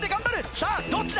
さあどっちだ？